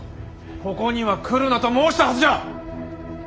ここには来るなと申したはずじゃ！